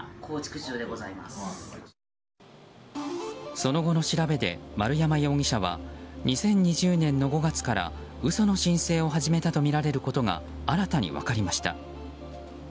その後の調べで丸山容疑者は２０２０年の５月から嘘の申請を始めたとみられることが新たに分かりました。